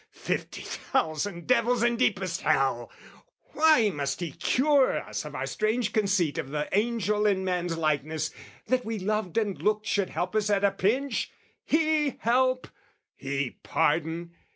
fifty thousand devils in deepest hell! Why must he cure us of our strange conceit Of the angel in man's likeness, that we loved And looked should help us at a pinch? He help? He pardon?